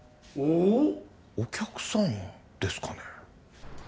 お客さんですかね